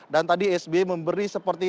dan tadi sby memberi seperti ini